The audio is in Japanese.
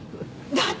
だって。